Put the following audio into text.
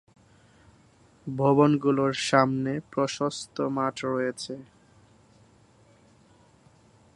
ভবনগুলোর সামনে প্রশস্ত মাঠ রয়েছে।